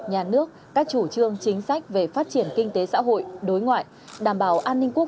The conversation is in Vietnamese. nhà nước các chủ trương chính sách về phát triển kinh tế xã hội đối ngoại đảm bảo an ninh quốc